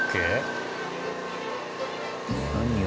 何を？